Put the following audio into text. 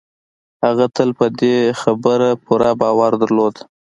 هغه تل په دې يوه خبره پوره باور درلود.